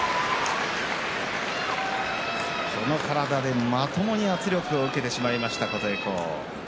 この体で、まともに圧力を受けてしまいました琴恵光。